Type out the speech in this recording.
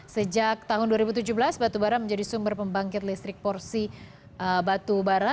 sejak tahun dua ribu tujuh belas batubara menjadi sumber pembangkit listrik porsi batubara